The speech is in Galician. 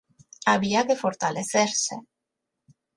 Había que fortalecerse.